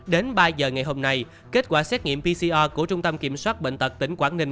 đến ba giờ ngày hôm nay kết quả xét nghiệm pcr của trung tâm kiểm soát bệnh tật tỉnh quảng ninh